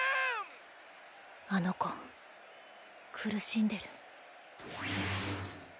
あの子苦しんでる。